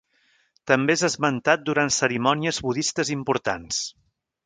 També és esmentat durant cerimònies budistes importants.